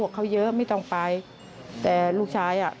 คือตอนที่แม่ไปโรงพักที่นั่งอยู่ที่สพ